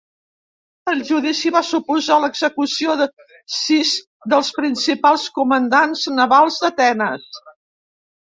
El judici va suposar l'execució de sis dels principals comandants navals d'Atenes.